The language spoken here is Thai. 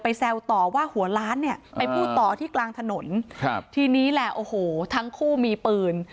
แซวต่อว่าหัวล้านเนี่ยไปพูดต่อที่กลางถนนครับทีนี้แหละโอ้โหทั้งคู่มีปืน